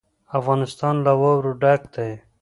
افغانستان له واوره ډک دی.